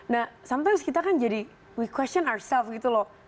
nah sometimes kita kan jadi we question ourself gitu loh